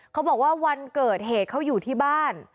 เขาบอกว่าวันเกิดเหตุเขาอยู่ที่บ้าน